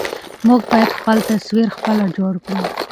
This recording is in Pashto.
موږ بايد خپل تصوير خپله جوړ کړو.